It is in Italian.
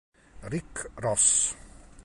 Rick Ross.